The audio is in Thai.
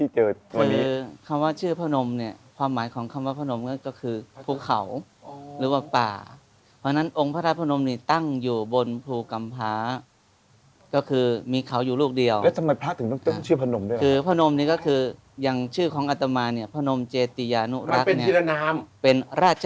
เราจะได้พบกับท่านพระครูพระนมเจตุเตติยานุรักษ์